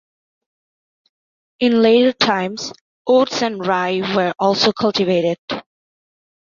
In later times oats and rye were also cultivated.